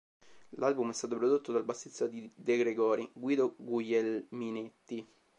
L'album è stato prodotto dal bassista di De Gregori, Guido Guglielminetti.